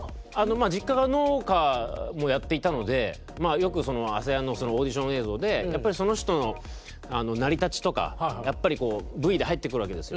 実家が農家もやっていたのでよく「ＡＳＡＹＡＮ」のオーディション映像でその人の成り立ちとかやっぱりＶで入ってくるわけですよ。